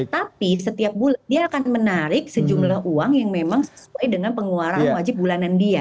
tapi setiap bulan dia akan menarik sejumlah uang yang memang sesuai dengan pengeluaran wajib bulanan dia